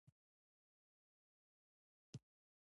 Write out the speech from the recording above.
نفرت هم په ژبه کې ښکاري.